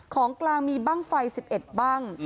ของกลางมีบ้างไฟ๑๑บ้าง